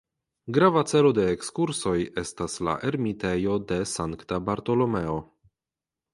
Grava celo de ekskursoj estas la ermitejo de Sankta Bartolomeo.